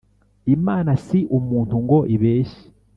imana si umuntu ngo ibeshye